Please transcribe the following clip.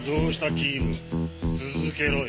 キール続けろよ。